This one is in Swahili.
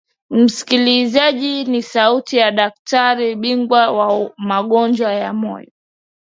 msikilizaji ni sauti ya daktari bingwa wa magonjwa ya moyo